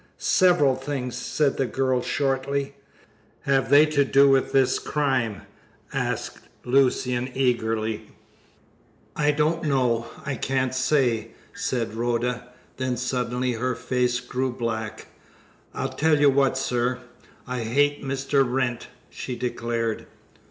"Several things," said the girl shortly. "Have they to do with this crime?" asked Lucian eagerly. "I don't know. I can't say," said Rhoda; then suddenly her face grew black. "I tell you what, sir, I hate Mr. Wrent!" she declared.